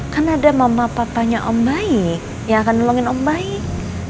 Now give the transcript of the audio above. kan ada mama papanya om baik ya akan nolongin om baik